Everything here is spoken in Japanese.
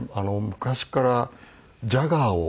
昔からジャガーを。